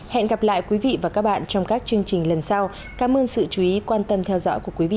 hẹn gặp lại các bạn trong những video tiếp theo